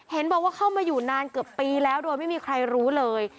เห็นบอกว่าเข้ามาอยู่นานเกือบปีแล้วโดยไม่มีใครรู้เลย